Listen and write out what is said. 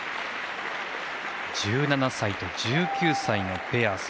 １７歳と１９歳のペア。